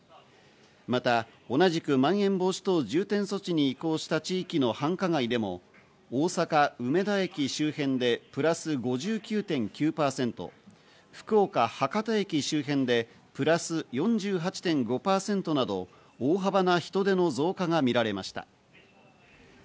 また同じく、まん延防止等重点措置に移行した地域の繁華街でも大阪・梅田駅周辺でプラス５９．９％、福岡・博多駅周辺でプラス４８．５％など大幅な人出の増加が見られました。